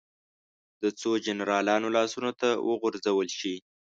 د څو جنرالانو لاسونو ته وغورځول شي.